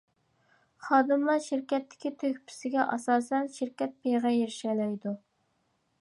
خادىملار شىركەتتىكى تۆھپىسىگە ئاساسەن، شىركەت پېيىغا ئېرىشەلەيدۇ.